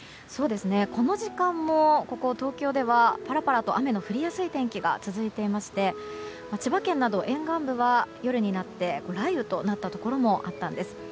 この時間もここ東京ではパラパラと雨が降る状況が続いていまして千葉県など沿岸部は夜になって雷雨となったところもあったんです。